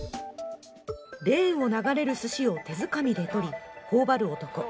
レーンを流れるすしを手づかみでとり、頬張る男。